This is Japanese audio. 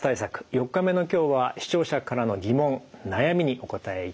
４日目の今日は視聴者からの疑問悩みにお答えいただきました。